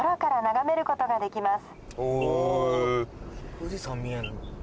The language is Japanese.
富士山見えんの？